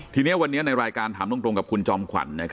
ทีนี้วันนี้ในรายการถามตรงกับคุณจอมขวัญ